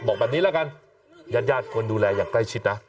บอกแบบนี้ละกันญาติญาติควรดูแลอย่างใกล้ชิดนะ